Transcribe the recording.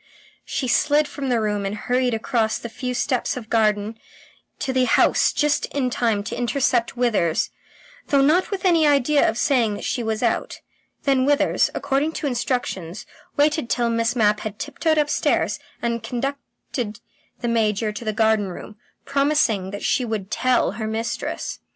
... She slid from the room and hurried across the few steps of garden to the house just in time to intercept Withers though not with any idea of saying that she was out. Then Withers, according to instructions, waited till Miss Mapp had tiptoed upstairs, and conducted the Major to the garden room, promising that she would "tell" her mistress.